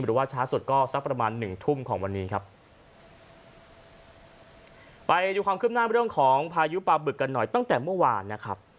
หรือว่าช้าสุดก็สักประมาณหนึ่งทุ่มของวันนี้ครับไปดูความคืบหน้าเรื่องของพายุปลาบึกกันหน่อยตั้งแต่เมื่อวานนะครับ